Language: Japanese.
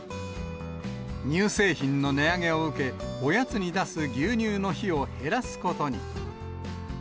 乳製品の値上げを受け、おやつに出す牛乳の日を減らすことに。